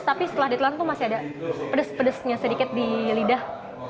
tapi setelah ditelan itu masih ada pedes pedesnya sedikit di lidah